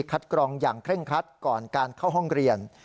กรองอย่างเคร่งครัดก่อนการเข้าห้องเรียน